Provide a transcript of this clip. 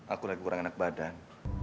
aku lagi kurang enak badan